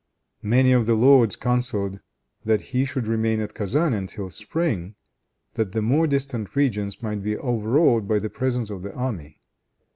Many of the lords counseled that he should remain at Kezan until spring, that the more distant regions might be overawed by the presence of the army.